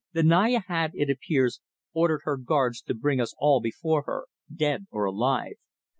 The Naya had, it appears, ordered her guards to bring us all before her, dead or alive.